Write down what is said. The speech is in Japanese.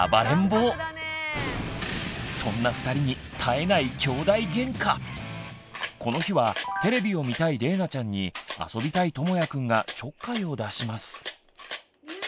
そんな２人に絶えないこの日はテレビを見たいれいなちゃんに遊びたいともやくんがちょっかいを出します。